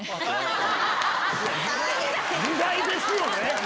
時代ですよね！